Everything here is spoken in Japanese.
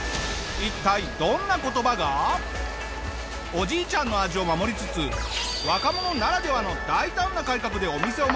おじいちゃんの味を守りつつ若者ならではの大胆な改革でお店を守る